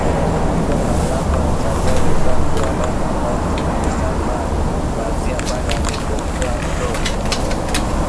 Kulikuwa na alama za nyayo za binadamu ambazo zilisambaa kuanzia pale ilipokuwa ndoo